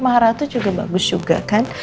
maharal tuh juga bagus juga kan